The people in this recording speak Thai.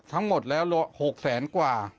ทั้งหมดแล้ว๖แสนกว่า